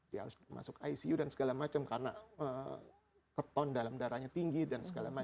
dia harus masuk icu dan segala macam karena keton dalam darahnya tinggi dan segala macam